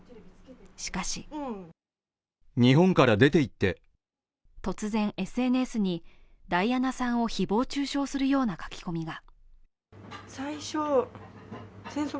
しかし突然、ＳＮＳにダイアナさんを誹謗中傷するような書き込みが。